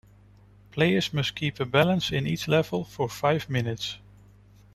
Players must keep a balance in each level for five minutes.